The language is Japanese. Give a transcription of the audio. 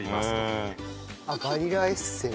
あっバニラエッセンス。